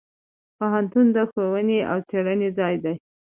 پوهنتون د ښوونې او څیړنې ځای دی.